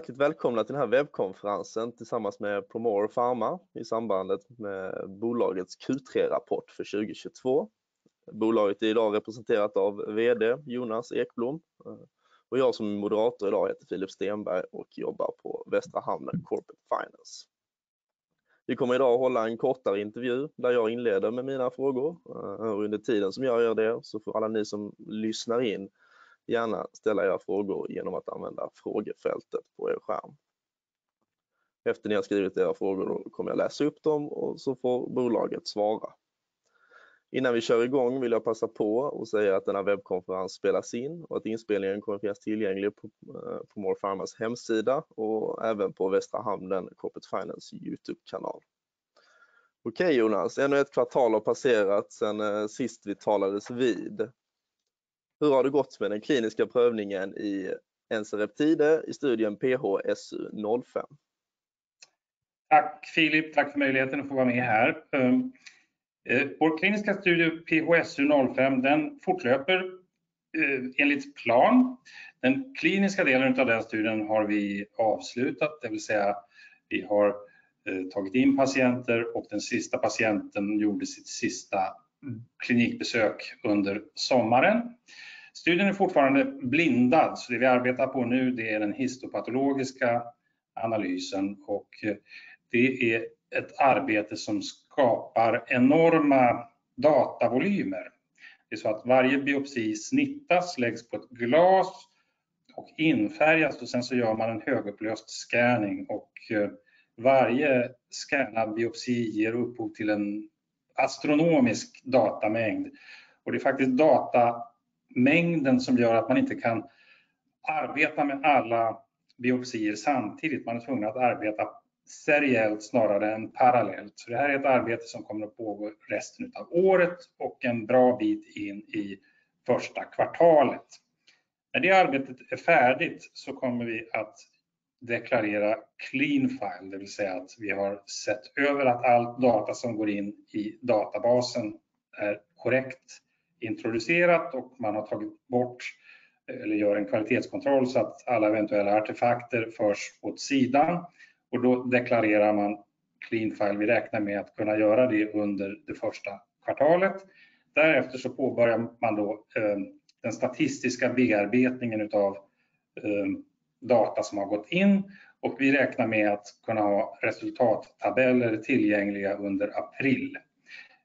Varmt välkomna till den här webbkonferensen tillsammans med Promore Pharma i samband med bolagets Q3-rapport för 2022. Bolaget är idag representerat av VD Jonas Ekblom. Jag som är moderator idag heter Filip Stenberg och jobbar på Västra Hamnen Corporate Finance. Vi kommer idag att hålla en kortare intervju där jag inleder med mina frågor. Under tiden som jag gör det så får alla ni som lyssnar in gärna ställa era frågor igenom att använda frågefältet på er skärm. Efter ni har skrivit era frågor kommer jag läsa upp dem och så får bolaget svara. Innan vi kör i gång vill jag passa på att säga att denna webbkonferens spelas in och att inspelningen kommer att finnas tillgänglig på Promore Pharmas hemsida och även på Västra Hamnen Corporate Finance YouTube-kanal. Okej Jonas, ännu ett kvartal har passerat sedan sist vi talades vid. Hur har det gått med den kliniska prövningen i ensereptide i studien PHSU05? Tack Filip, tack för möjligheten att få vara med här. Vår kliniska studie PHSU05, den fortlöper enligt plan. Den kliniska delen utav den studien har vi avslutat, det vill säga vi har tagit in patienter och den sista patienten gjorde sitt sista klinikbesök under sommaren. Studien är fortfarande blindad, så det vi arbetar på nu, det är den histopatologiska analysen och det är ett arbete som skapar enorma datavolymer. Det är så att varje biopsi snittas, läggs på ett glas och infärgas och sen så gör man en högupplöst scanning. Varje scannad biopsi ger upphov till en astronomisk datamängd. Det är faktiskt datamängden som gör att man inte kan arbeta med alla biopsier samtidigt. Man är tvungen att arbeta seriellt snarare än parallellt. Det här är ett arbete som kommer att pågå resten utav året och en bra bit in i första kvartalet. När det arbetet är färdigt så kommer vi att deklarera clean file, det vill säga att vi har sett över att all data som går in i databasen är korrekt introducerat och man har tagit bort eller gör en kvalitetskontroll så att alla eventuella artefakter förs åt sidan och då deklarerar man clean file. Vi räknar med att kunna göra det under det första kvartalet. Därefter så påbörjar man då den statistiska bearbetningen utav data som har gått in och vi räknar med att kunna ha resultattabeller tillgängliga under April.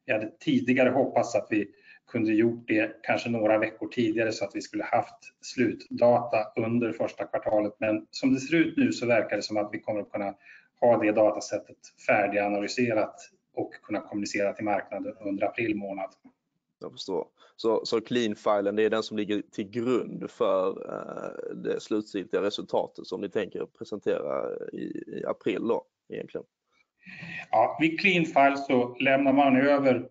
Vi hade tidigare hoppats att vi kunde gjort det kanske några veckor tidigare så att vi skulle haft slutdata under första kvartalet. Som det ser ut nu så verkar det som att vi kommer att kunna ha det datasättet färdiganalyserat och kunna kommunicera till marknaden under April månad. Jag förstår. Clean file är den som ligger till grund för det slutgiltiga resultatet som ni tänker presentera i April då egentligen? Vid clean file lämnar man över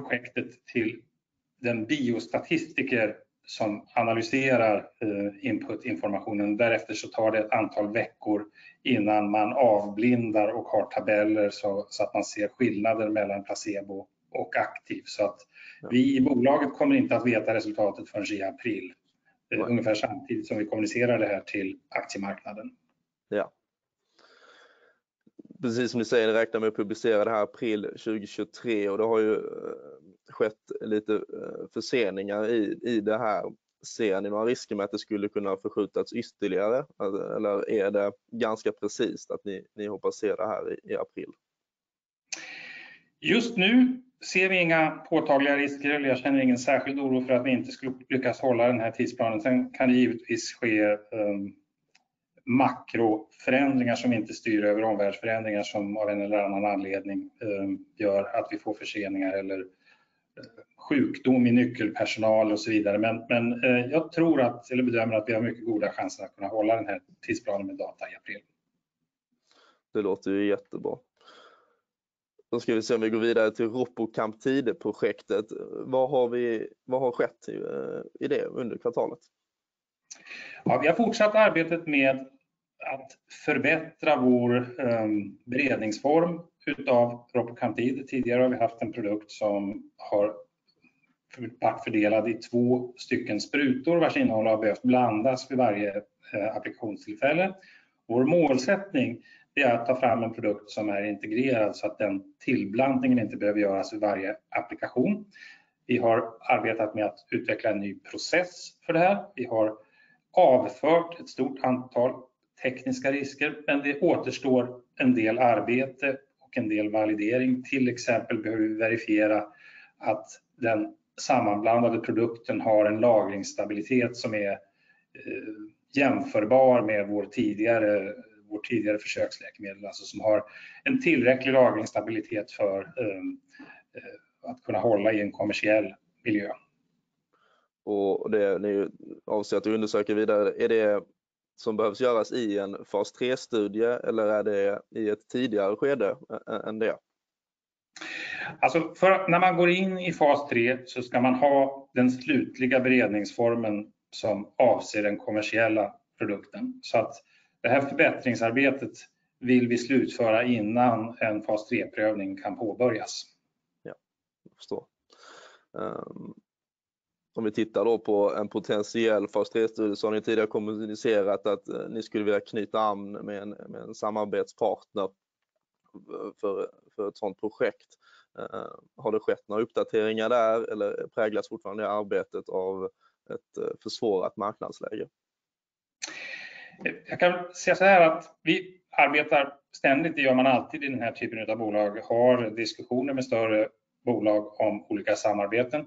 projektet till den biostatistiker som analyserar input informationen. Därefter tar det ett antal veckor innan man avblindar och har tabeller så att man ser skillnaden mellan placebo och aktiv. Vi i bolaget kommer inte att veta resultatet förrän i april. Ungefär samtidigt som vi kommunicerar det här till aktiemarknaden. Precis som du säger, ni räknar med att publicera det här april 2023 och det har ju skett lite förseningar i det här. Ser ni någon risk med att det skulle kunna förskjutas ytterligare? Eller är det ganska precist att ni hoppas se det här i april? Just nu ser vi inga påtagliga risker. Jag känner ingen särskild oro för att vi inte skulle lyckas hålla den här tidsplanen. Det kan givetvis ske makroförändringar som inte styr över omvärldsförändringar som av en eller annan anledning gör att vi får förseningar eller sjukdom i nyckelpersonal och så vidare. Men jag tror att, eller bedömer att vi har mycket goda chanser att kunna hålla den här tidsplanen med data i april. Det låter ju jättebra. Ska vi se om vi går vidare till Ropocamptide-projektet. Vad har skett i det under kvartalet? Ja, vi har fortsatt arbetet med att förbättra vår beredningsform utav Ropocamptide. Tidigare har vi haft en produkt som har packfördelad i two stycken sprutor vars innehåll har behövt blandas vid varje applikationstillfälle. Vår målsättning är att ta fram en produkt som är integrerad så att den tillblandningen inte behöver göras vid varje applikation. Vi har arbetat med att utveckla en ny process för det här. Vi har avfört ett stort antal tekniska risker, men det återstår en del arbete och en del validering. Till exempel behöver vi verifiera att den sammanblandade produkten har en lagringsstabilitet som är jämförbar med vår tidigare försöksläkemedel, alltså som har en tillräcklig lagringsstabilitet för att kunna hålla i en kommersiell miljö. Det ni avser att undersöka vidare, är det som behövs göras i en Fas III-studie eller är det i ett tidigare skede än det? När man går in i phase III så ska man ha den slutliga beredningsformen som avser den kommersiella produkten. Det här förbättringsarbetet vill vi slutföra innan en phase III-prövning kan påbörjas. Jag förstår. Om vi tittar då på en potentiell Fas III studie så har ni tidigare kommunicerat att ni skulle vilja knyta an med en samarbetspartner för ett sånt projekt. Har det skett några uppdateringar där eller präglas fortfarande arbetet av ett försvårat marknadsläge? Jag kan säga såhär att vi arbetar ständigt, det gör man alltid i den här typen utav bolag. Har diskussioner med större bolag om olika samarbeten.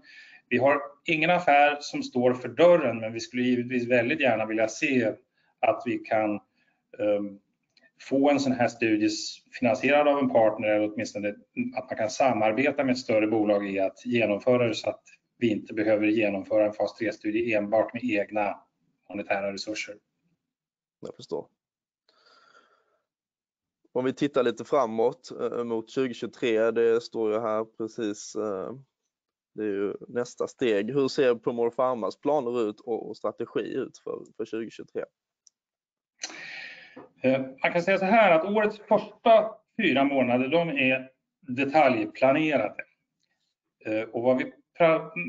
Vi har ingen affär som står för dörren. Vi skulle givetvis väldigt gärna vilja se att vi kan få en sån här studie finansierad av en partner. Åtminstone att man kan samarbeta med ett större bolag i att genomföra det så att vi inte behöver genomföra en phase III studie enbart med egna monetära resurser. Jag förstår. Om vi tittar lite framåt mot 2023. Det står jag här precis. Det är ju nästa steg. Hur ser Promore Pharmas planer ut och strategi ut för 2023? Man kan säga såhär att årets första fyra månader de är detaljplanerade. Vad vi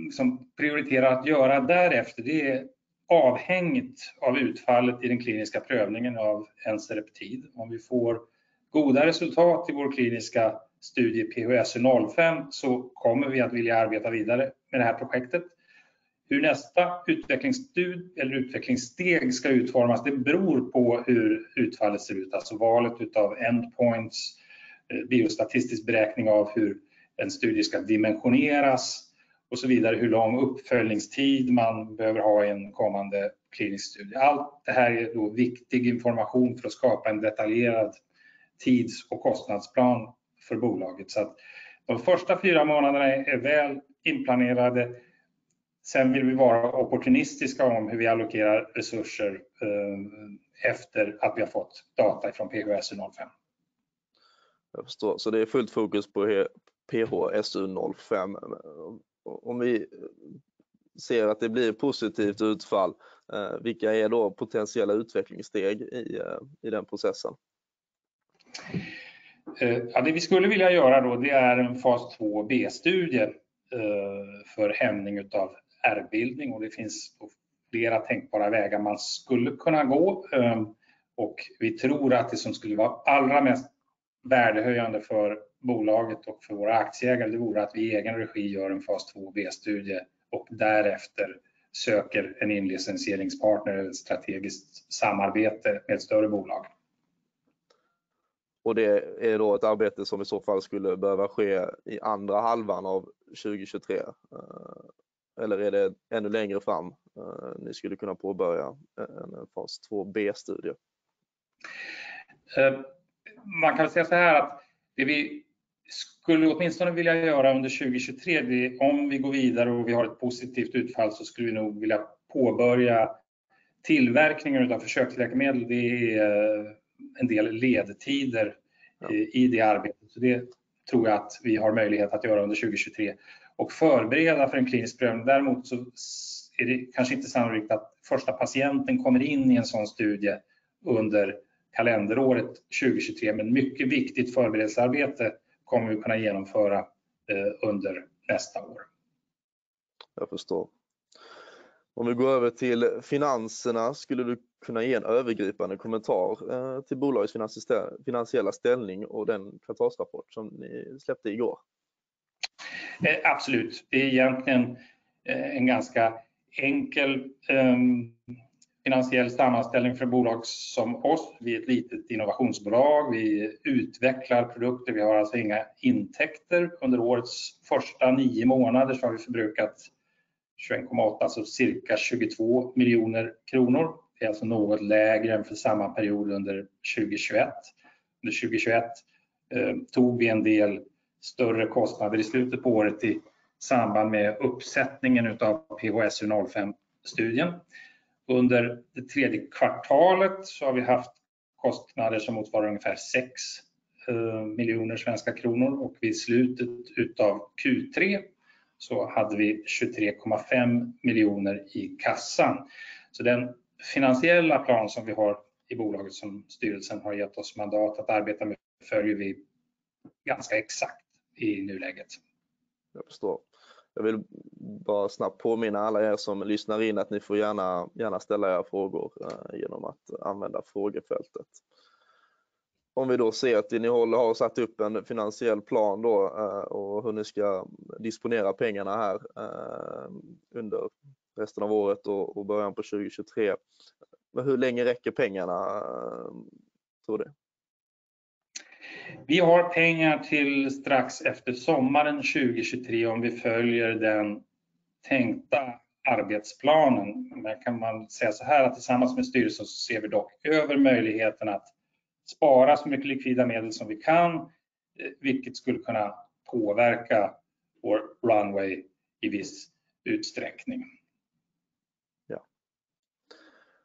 liksom prioriterar att göra därefter, det är avhängt av utfallet i den kliniska prövningen av ensereptide. Om vi får goda resultat i vår kliniska studie PHSU05 så kommer vi att vilja arbeta vidare med det här projektet. Hur nästa utvecklingssteg ska utformas, det beror på hur utfallet ser ut. Alltså valet utav endpoints, biostatistisk beräkning av hur en studie ska dimensioneras och så vidare. Hur lång uppföljningstid man behöver ha i en kommande klinisk studie. Allt det här är då viktig information för att skapa en detaljerad tids-och kostnadsplan för bolaget. De första fyra månaderna är väl inplanerade. Vill vi vara opportunistiska om hur vi allokerar resurser efter att vi har fått data från PHSU05. Jag förstår. Det är fullt fokus på PHSU05. Vi ser att det blir positivt utfall, vilka är då potentiella utvecklingssteg i den processen? Ja, det vi skulle vilja göra då det är en Fas IIb studie för hämning utav ärrbildning och det finns flera tänkbara vägar man skulle kunna gå. Vi tror att det som skulle vara allra mest värdehöjande för bolaget och för våra aktieägare, det vore att vi i egen regi gör en Fas IIb studie och därefter söker en inlicenseringspartner eller strategiskt samarbete med ett större bolag. Det är då ett arbete som i så fall skulle behöva ske i second half of 2023, eller är det ännu längre fram ni skulle kunna påbörja en phase IIb study? Man kan väl säga såhär att det vi skulle åtminstone vilja göra under 2023, det om vi går vidare och vi har ett positivt utfall så skulle vi nog vilja påbörja tillverkningen utav försök till läkemedel. Det är en del ledtider i det arbetet. Det tror jag att vi har möjlighet att göra under 2023. Förbereda för en klinisk prövning. Däremot så är det kanske inte sannolikt att första patienten kommer in i en sådan studie under kalenderåret 2023. Mycket viktigt förberedelsearbete kommer vi kunna genomföra under nästa år. Jag förstår. Om vi går över till finanserna, skulle du kunna ge en övergripande kommentar till bolagets finansiella ställning och den kvartalsrapport som ni släppte i går? Absolut. Det är egentligen en ganska enkel finansiell sammanställning för ett bolag som oss. Vi är ett litet innovationsbolag. Vi utvecklar produkter. Vi har alltså inga intäkter. Under årets första nio månader har vi förbrukat 21.8, alltså cirka SEK 22 million. Det är alltså något lägre än för samma period under 2021. Under 2021 tog vi en del större kostnader i slutet på året i samband med uppsättningen utav PHSU05-studien. Under det tredje kvartalet har vi haft kostnader som motsvarar ungefär 6 million kronor och vid slutet utav Q3 hade vi 23.5 million i kassan. Den finansiella plan som vi har i bolaget som styrelsen har gett oss mandat att arbeta med följer vi ganska exakt i nuläget. Jag förstår. Jag vill bara snabbt påminna alla er som lyssnar in att ni får gärna ställa era frågor genom att använda frågefältet. Vi då ser att ni håller och har satt upp en finansiell plan då och hur ni ska disponera pengarna här under resten av året och början på 2023. Hur länge räcker pengarna tror du? Vi har pengar till strax efter sommaren 2023 om vi följer den tänkta arbetsplanen. Kan man säga såhär att tillsammans med styrelsen så ser vi dock över möjligheten att spara så mycket likvida medel som vi kan, vilket skulle kunna påverka vår runway i viss utsträckning. Ja.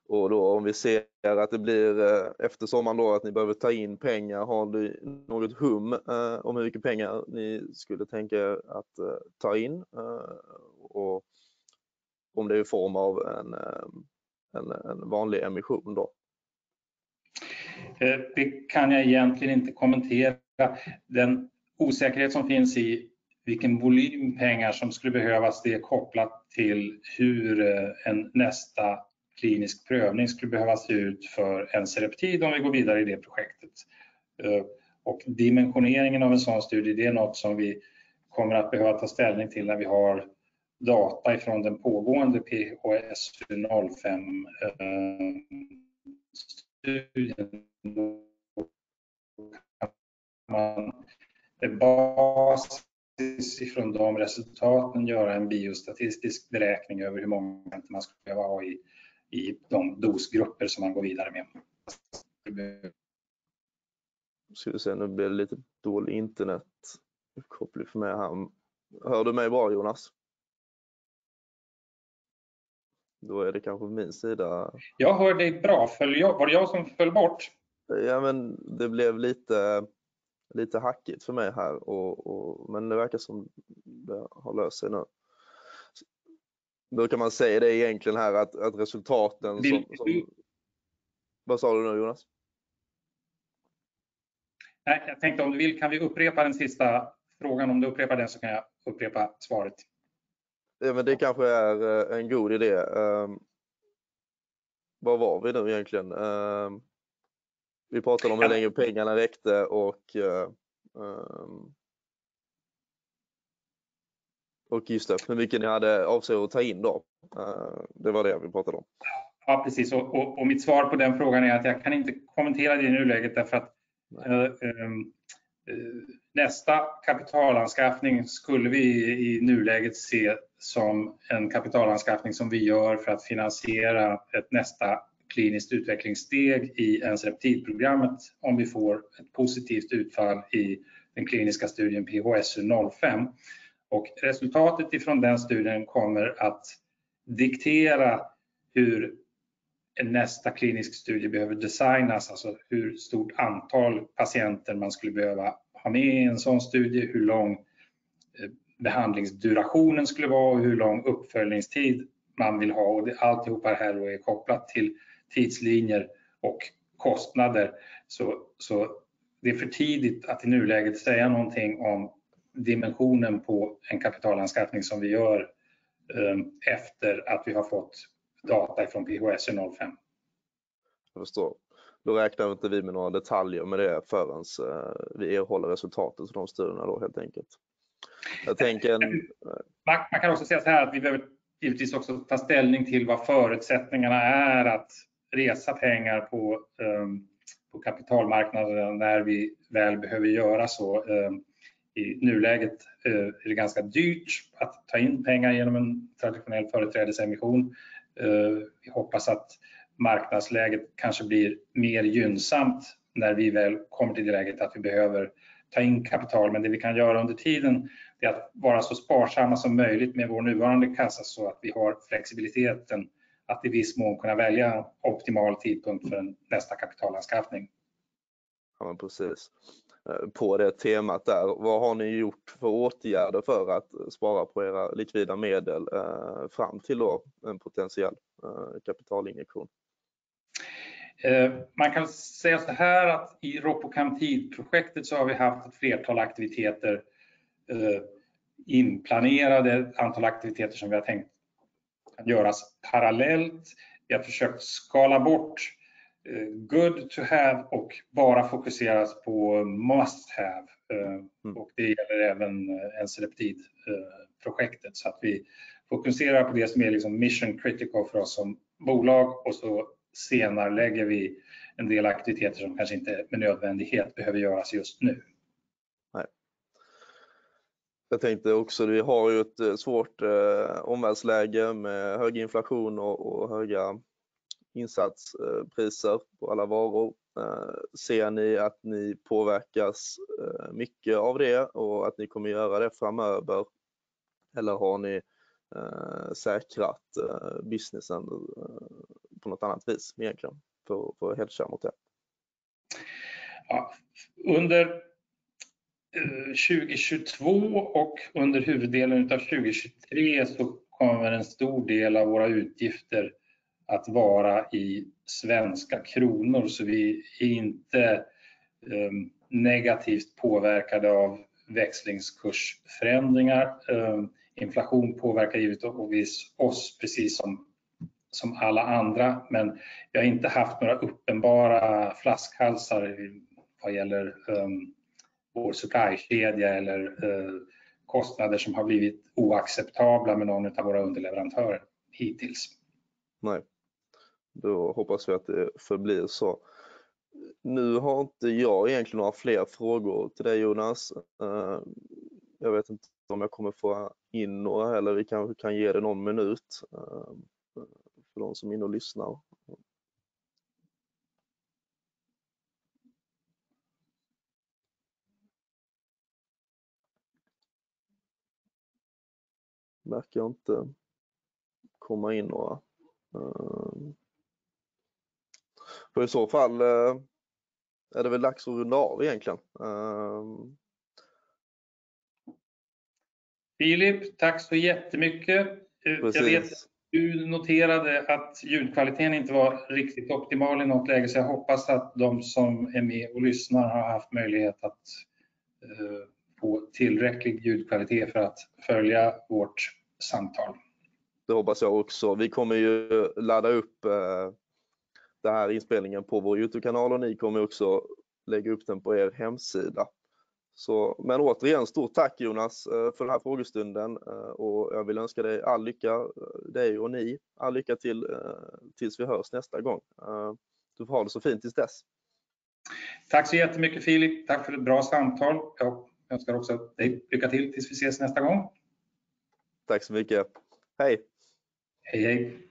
Då om vi ser att det blir efter sommaren då att ni behöver ta in pengar. Har du något hum om hur mycket pengar ni skulle tänka er att ta in? Om det är i form av en vanlig emission då? Det kan jag egentligen inte kommentera. Den osäkerhet som finns i vilken volym pengar som skulle behövas, det är kopplat till hur en nästa klinisk prövning skulle behöva se ut för ensereptide om vi går vidare i det projektet. Dimensioneringen av en sådan studie, det är något som vi kommer att behöva ta ställning till när vi har data ifrån den pågående PHSU05-studien. Man, baserat ifrån de resultaten, göra en biostatistisk beräkning över hur många man skulle behöva ha i de dosgrupper som man går vidare med. Ska vi se, nu blev det lite dålig internetkoppling för mig här. Hör du mig bra, Jonas? Är det kanske på min sida. Jag hör dig bra. Var det jag som föll bort? Ja, det blev lite hackigt för mig här och, men det verkar som det har löst sig nu. Brukar man säga det egentligen här att resultaten? Vad sa du nu, Jonas? Nej, jag tänkte om du vill kan vi upprepa den sista frågan. Du upprepar den så kan jag upprepa svaret. Det kanske är en god idé. Var vi nu egentligen? Vi pratade om hur länge pengarna räckte och just det, vilken ni hade avser att ta in då. Det var det vi pratade om. Ja, precis. Mitt svar på den frågan är att jag kan inte kommentera det i nuläget därför att nästa kapitalanskaffning skulle vi i nuläget se som en kapitalanskaffning som vi gör för att finansiera ett nästa kliniskt utvecklingssteg i ensereptide programmet om vi får ett positivt utfall i den kliniska studien PHSU05. Resultatet ifrån den studien kommer att diktera hur nästa klinisk studie behöver designas, alltså hur stort antal patienter man skulle behöva ha med i en sådan studie, hur lång behandlingsdurationen skulle vara, hur lång uppföljningstid man vill ha. Alltihop är här då kopplat till tidslinjer och kostnader. Det är för tidigt att i nuläget säga någonting om dimensionen på en kapitalanskaffning som vi gör efter att vi har fått data från PHSU05. Jag förstår. Räknar inte vi med några detaljer med det förrän vi erhåller resultatet från de studierna då helt enkelt. Man kan också säga såhär att vi behöver givetvis också ta ställning till vad förutsättningarna är att resa pengar på kapitalmarknaden när vi väl behöver göra så. I nuläget är det ganska dyrt att ta in pengar igenom en traditionell företrädesemission. Vi hoppas att marknadsläget kanske blir mer gynnsamt när vi väl kommer till det läget att vi behöver ta in kapital. Det vi kan göra under tiden är att vara så sparsamma som möjligt med vår nuvarande kassa så att vi har flexibiliteten att i viss mån kunna välja optimal tidpunkt för nästa kapitalanskaffning. Precis. På det temat där, vad har ni gjort för åtgärder för att spara på era likvida medel fram till då en potentiell kapitalinjektion? Man kan säga såhär att i ropocamptide-projektet så har vi haft ett flertal aktiviteter inplanerade, ett antal aktiviteter som vi har tänkt göras parallellt. Vi har försökt skala bort good to have och bara fokuseras på must have. Det gäller även ensereptide-projektet. Vi fokuserar på det som är mission critical för oss som bolag och så senarelägger vi en del aktiviteter som kanske inte med nödvändighet behöver göras just nu. Nej. Jag tänkte också, vi har ju ett svårt omvärldsläge med hög inflation och höga insatspriser på alla varor. Ser ni att ni påverkas mycket av det och att ni kommer göra det framöver? Har ni säkrat businessen på något annat vis egentligen för att hedga mot det? Under 2022 och under huvuddelen av 2023 kommer en stor del av våra utgifter att vara i svenska kronor. Vi är inte negativt påverkade av växlingskursförändringar. Inflation påverkar givetvis oss precis som alla andra, men vi har inte haft några uppenbara flaskhalsar vad gäller vår supplykedja eller kostnader som har blivit oacceptabla med någon av våra underleverantörer hittills. Nej, då hoppas vi att det förblir så. Nu har inte jag egentligen några fler frågor till dig, Jonas. Jag vet inte om jag kommer att få in några eller vi kanske kan ge det någon minut för de som är inne och lyssnar. Det verkar inte komma in några. I så fall är det väl dags att runda av egentligen. Filip, tack så jättemycket. Jag vet, du noterade att ljudkvalitén inte var riktigt optimal i något läge, så jag hoppas att de som är med och lyssnar har haft möjlighet att få tillräcklig ljudkvalité för att följa vårt samtal. Det hoppas jag också. Vi kommer ju ladda upp den här inspelningen på vår YouTube channel och ni kommer också lägga upp den på er hemsida. Återigen, stort tack Jonas för den här frågestunden och jag vill önska dig all lycka, dig och ni all lycka till tills vi hörs nästa gång. Du får ha det så fint tills dess. Tack så jättemycket, Filip. Tack för ett bra samtal. Jag önskar också dig lycka till tills vi ses nästa gång. Tack så mycket. Hej! Hejhej!